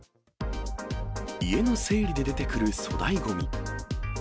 家の整理で出てくる粗大ごみ。